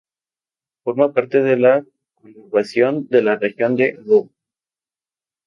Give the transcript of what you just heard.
Forma parte de la conurbación de la Región del Ruhr.